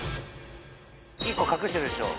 １個隠してるでしょ